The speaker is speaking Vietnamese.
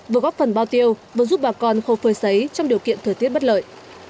vừa góp phần bao tiêu vừa giúp bà con khâu phơi xấy trong điều kiện thời tiết bất lợi